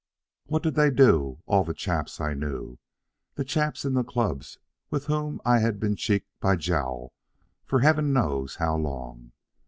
"What did they do, all the chaps I knew, the chaps in the clubs with whom I'd been cheek by jowl for heaven knows how long?